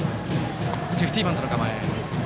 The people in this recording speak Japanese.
セーフティーバントの構え。